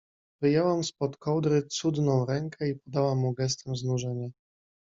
Wyjęłam spod kołdry cudną rękę i podałam mu gestem znużenia.